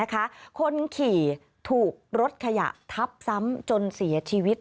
คนขี่ถูกรถขยะทับซ้ำจนเสียชีวิต